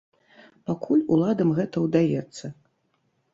Пакуль уладам гэта ўдаецца.